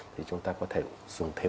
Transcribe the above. thì chúng ta có thể dùng thêm